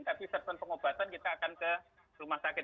tapi setelah pengobatan kita akan ke rumah sakit